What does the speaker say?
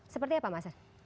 seperti apa mas